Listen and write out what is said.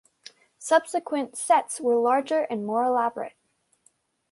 Subsequent sets were larger and more elaborate.